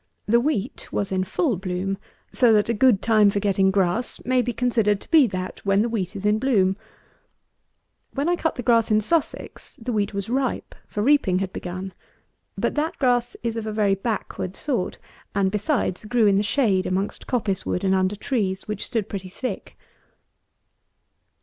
The wheat was in full bloom; so that a good time for getting grass may be considered to be that when the wheat is in bloom. When I cut the grass in Sussex, the wheat was ripe, for reaping had begun; but that grass is of a very backward sort, and, besides, grew in the shade amongst coppice wood and under trees, which stood pretty thick.